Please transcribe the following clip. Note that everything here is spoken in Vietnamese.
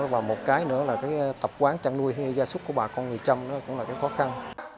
và một cái nữa là tập quán chăn nuôi hay gia súc của bà con người chăm cũng là khó khăn